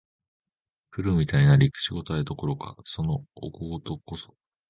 狂うみたいになり、口応えどころか、そのお小言こそ、